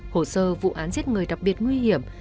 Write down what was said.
hồ sơ vụ án giết người đặc biệt nguy hiểm